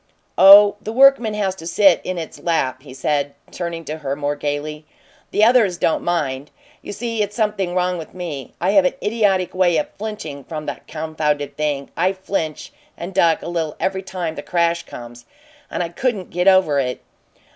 "Oh, the workman has to sit in its lap," he said, turning to her more gaily. "The others don't mind. You see, it's something wrong with me. I have an idiotic way of flinching from the confounded thing I flinch and duck a little every time the crash comes, and I couldn't get over it.